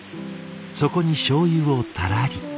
そこにしょうゆをたらり。